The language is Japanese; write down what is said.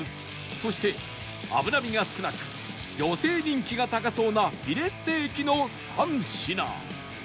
そして脂身が少なく女性人気が高そうなフィレステーキの３品